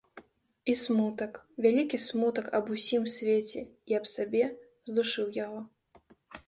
І смутак, вялікі смутак аб усім свеце і аб сабе здушыў яго.